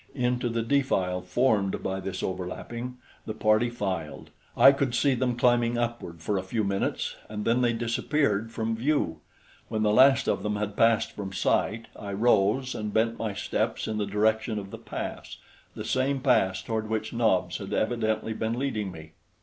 Into the defile formed by this overlapping the party filed. I could see them climbing upward for a few minutes, and then they disappeared from view. When the last of them had passed from sight, I rose and bent my steps in the direction of the pass the same pass toward which Nobs had evidently been leading me.